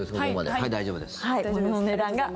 はい、大丈夫です。